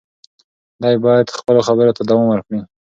دی باید خپلو خبرو ته دوام ورکړي.